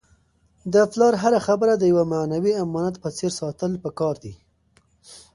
د پلار هره خبره د یو معنوي امانت په څېر ساتل پکار دي.